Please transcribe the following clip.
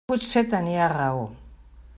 Potser tenia raó.